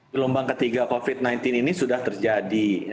gelombang ketiga covid sembilan belas ini sudah terjadi